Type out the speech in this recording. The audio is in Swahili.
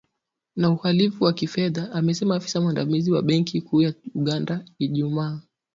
na uhalifu wa kifedha amesema afisa mwandamizi wa benki kuu ya Uganda, Ijumaa